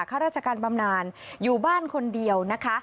ข้าราชการบำนานอยู่บ้านคนเดียวนะคะ